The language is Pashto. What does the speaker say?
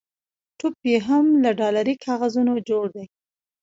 ټوپ یې هم له ډالري کاغذونو جوړ دی.